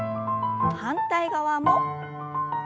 反対側も。